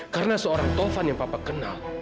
karena seorang tovan yang papa kenal